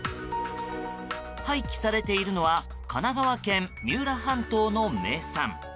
廃棄されているのは神奈川県三浦半島の名産。